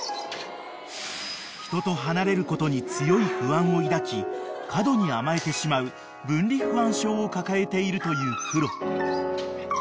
［人と離れることに強い不安を抱き過度に甘えてしまう分離不安症を抱えているというクロ］